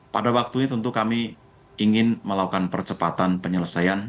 pada waktunya tentu kami ingin melakukan percepatan penyelesaian